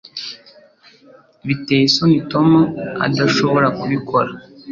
Biteye isoni Tom adashobora kubikora